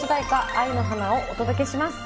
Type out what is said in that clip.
「愛の花」をお届けします。